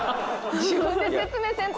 自分で説明せんと。